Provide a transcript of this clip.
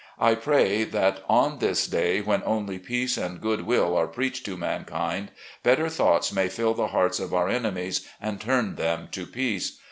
I pray that, on this day when only peace and good will are preached to mankind, better thoughts may fill the hearts of our enemies and turn them to peace.